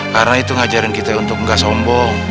karena itu ngajarin kita untuk gak sombong